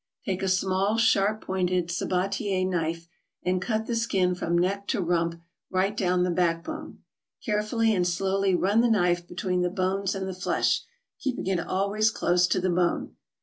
Take a small, sharp pointed sabatier knife and cut the skin from neck to rump right down the back bone. Carefully and slowly run the knife between the bones and the flesh, keeping it always close to the bone.